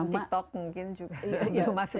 tiktok mungkin juga